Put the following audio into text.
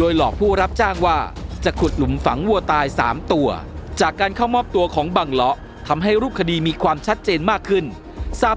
ด้วยโดยหลอกผู้รับจ้างว่าจะขุดหลุมฝังวัวตาย๓ตัวจากการเข้ามอบตัวของบังเลาะทำให้รูปคดีมีความชัดเจนมากขึ้นทราบ